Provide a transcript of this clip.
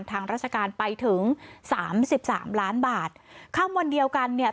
ของทางราชการไปถึง๓๓ล้านบาทข้ามวันเดียวกันเนี่ย